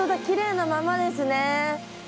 きれいなままですね。